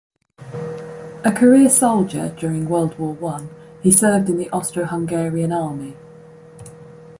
A career soldier, during World War One, he served in the Austro-Hungarian Army.